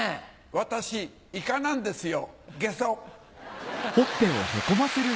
私イカなんですよゲソっ！